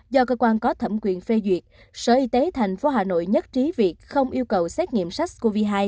do cơ quan có thẩm quyền phê duyệt sở y tế tp hà nội nhất trí việc không yêu cầu xét nghiệm sars cov hai